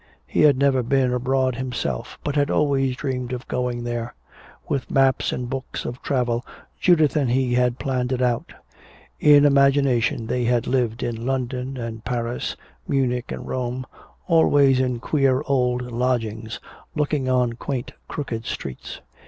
He had never been abroad himself but had always dreamed of going there. With maps and books of travel Judith and he had planned it out. In imagination they had lived in London and Paris, Munich and Rome, always in queer old lodgings looking on quaint crooked streets.